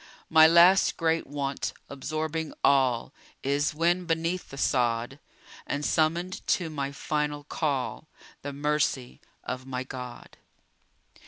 My last great Want absorbing all Is, when beneath the sod, And summoned to my final call, The Mercy of my God.